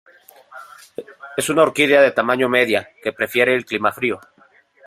Es una orquídea de tamaño media, que prefiere el clima frío.